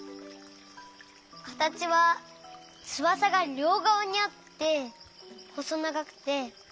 かたちはつばさがりょうがわにあってほそながくて。